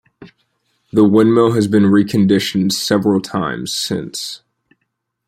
The windmill has been reconditioned several times, since.